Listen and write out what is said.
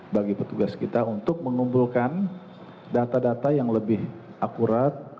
bagi petugas kita untuk mengumpulkan data data yang lebih akurat